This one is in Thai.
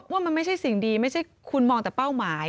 ว่ามันไม่ใช่สิ่งดีไม่ใช่คุณมองแต่เป้าหมาย